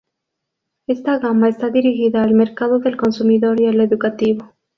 Esta gama está dirigida al mercado del consumidor y al educativo.